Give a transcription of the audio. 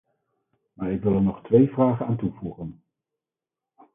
Maar ik wil er nog twee vragen aan toevoegen.